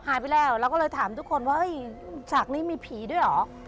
หายไปแล้วเราก็เลยถามทุกคนว่าเฮ้ยฉากนี้มีผีด้วยเหรอ